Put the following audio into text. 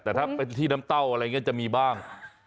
แต่ถ้าไปที่น้ำเต้าอะไรอย่างนี้จะมีบ้าง